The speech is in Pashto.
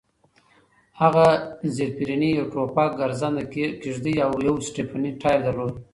هغه زېرپېرني، یو ټوپک، ګرځنده کېږدۍ او یو سټپني ټایر درلود.